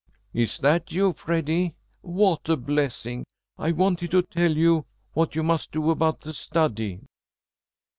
"Is that you, Freddy? What a blessing! I wanted to tell you what you must do about the study."